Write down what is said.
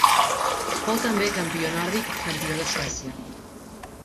Fou també Campió Nòrdic i Campió de Suècia.